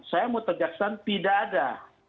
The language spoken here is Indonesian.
saya mau kejaksaan tidak ada